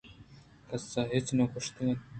کس ءَ ہچ نہ گوٛشتگ اَت